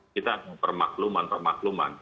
kita ada permakluman permakluman